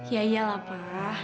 ya iyalah pa